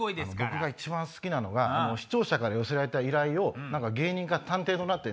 僕が一番好きなのが視聴者から寄せられた依頼を芸人が探偵となって。